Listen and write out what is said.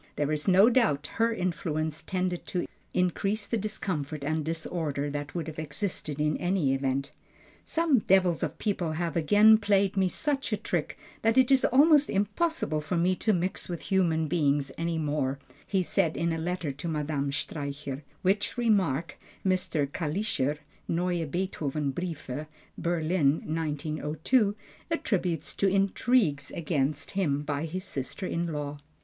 There is no doubt her influence tended to increase the discomfort and disorder that would have existed in any event. "Some devils of people have again played me such a trick that it is almost impossible for me to mix with human beings any more," he said in a letter to Madame Streicher, which remark Mr. Kalischer (Neue Beethovenbriefe, Berlin, 1902), attributes to intrigues against him by his sister in law.